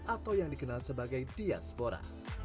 atau yang dikenal sebagai diaspora